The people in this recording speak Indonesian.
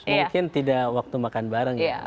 mungkin tidak waktu makan bareng ya